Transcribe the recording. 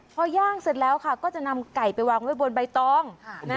อย่างเสร็จแล้วค่ะก็จะนำไก่ไปวางไว้บนใบตอง